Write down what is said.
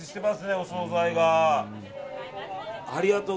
お総菜が。